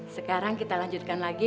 sekarang kita lanjutkan lagi